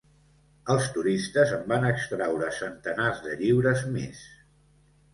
Els turistes en van extraure centenars de lliures més.